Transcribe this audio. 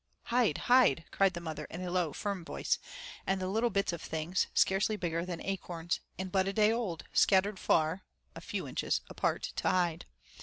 (Hide!! Hide!) cried the mother in a low firm voice, and the little bits of things, scarcely bigger than acorns and but a day old, scattered far (a few inches) apart to hide.